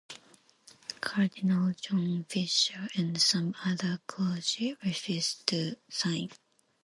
Cardinal John Fisher and some other clergy refused to sign.